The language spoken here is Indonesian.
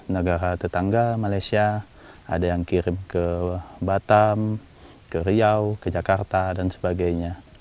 negara tetangga malaysia ada yang kirim ke batam ke riau ke jakarta dan sebagainya